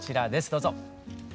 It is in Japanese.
どうぞ。